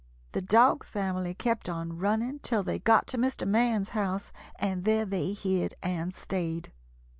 The dog family kept on running till they got to Mr. Man's house, and there they hid and stayed."